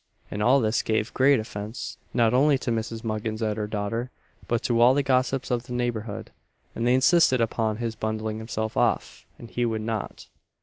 And all this gave great offence, not only to Mrs. Muggins and her daughter, but to all the gossips of the neighbourhood; and they insisted upon his bundling himself off, and he would not.